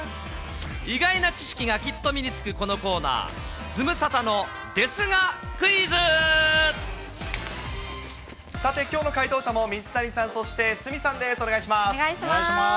意外な知識がきっと身につくこのコーナー、さて、きょうの解答者も水谷さん、そして鷲見さんです。